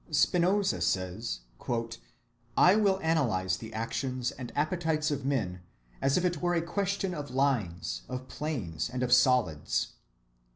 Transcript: Spinoza says: "I will analyze the actions and appetites of men as if it were a question of lines, of planes, and of solids."